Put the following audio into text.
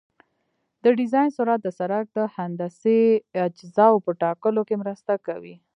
د ډیزاین سرعت د سرک د هندسي اجزاوو په ټاکلو کې مرسته کوي